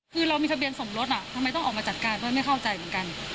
คือเรามีทะเบียนสมรสทำไมต้องออกมาจัดการเพราะไม่เข้าใจเหมือนกัน